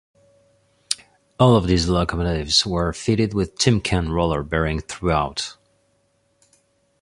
All of these locomotives were fitted with Timken roller bearings throughout.